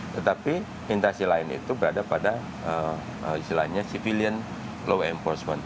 tetapi intasi lain itu berada pada istilahnya civilion law enforcement